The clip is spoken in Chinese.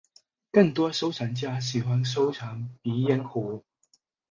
更多收藏家喜欢收藏鼻烟壶。